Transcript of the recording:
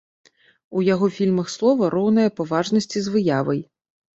У яго фільмах слова роўнае па важнасці з выявай.